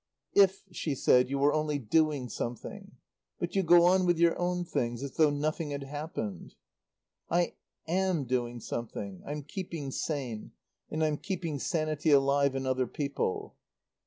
"If," she said, "you were only doing something. But you go on with your own things as though nothing had happened." "I am doing something. I'm keeping sane. And I'm keeping sanity alive in other people."